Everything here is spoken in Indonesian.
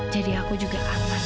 jadi aku juga aman